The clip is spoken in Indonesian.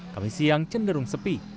kami siang cenderung sepi